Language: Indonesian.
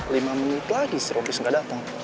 lima menit lagi si robis gak datang